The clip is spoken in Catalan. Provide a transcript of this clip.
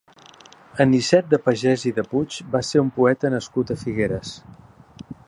Anicet de Pagès i de Puig va ser un poeta nascut a Figueres.